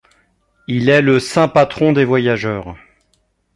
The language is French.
Il est le saint patron des voyageurs.